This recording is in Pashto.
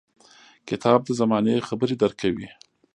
• کتاب د زمانې خبرې درکوي.